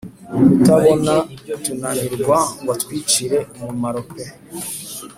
kutubona tunanirwa ngw atwicire umumaro pe !